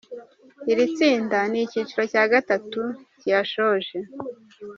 Iri tsinda ni icyiciro cya gatatu kiyashoje.